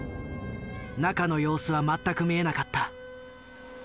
中の様子は全く見えなかった。